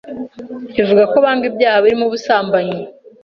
ivuga ko banga ibyaha birimo ubusambanyi